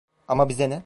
Ama bize ne?